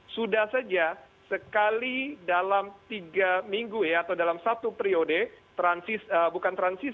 sudah saja sekali dalam tiga minggu ya atau dalam satu periode bukan transisi tapi psbb kembali operasi